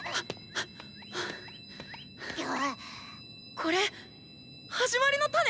これ「始まりのタネ」